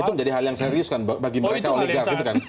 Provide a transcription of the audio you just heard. itu menjadi hal yang serius kan bagi mereka oligar gitu kan